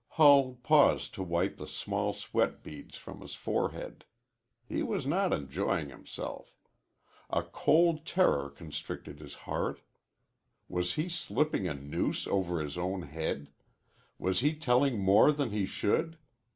Hull paused to wipe the small sweat beads from his forehead. He was not enjoying himself. A cold terror constricted his heart. Was he slipping a noose over his own head? Was he telling more than he should?